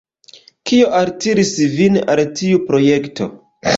Kio altiris vin al tiu projekto?